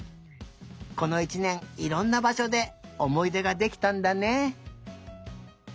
この１ねんいろんなばしょでおもいでができたんだね。